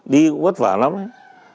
đi cũng vất vả lắm ấy